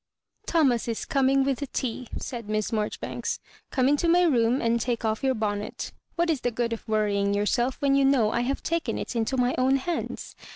"Thomas is coming with the tea," said Miss Marjoribanks. " Gome into my room and take off your bonnet What is the good of worrying yourself when you know I have taken it into my own hands?